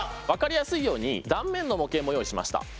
分かりやすいように断面の模型も用意しました。